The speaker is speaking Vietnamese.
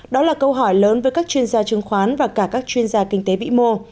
đó là câu hỏi lớn với các chuyên gia chứng khoán và cả các chuyên gia kinh tế vĩ mô